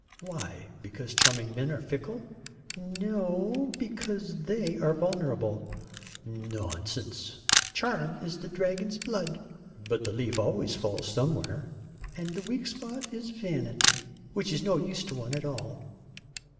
"Why because charming men are fickle?" "No, because they are vulnerable." "Nonsense." "Charm is the dragon's blood." "But the leaf always falls somewhere." "And the weak spot is vanity which is no use to one at all."